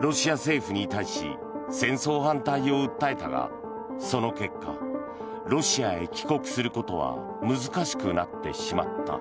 ロシア政府に対し戦争反対を訴えたがその結果ロシアへ帰国することは難しくなってしまった。